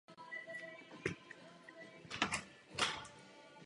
Tím končí určité zprávy o něm.